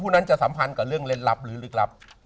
นั้นจะสัมพันธ์กับเรื่องเล่นลับหรือลึกลับ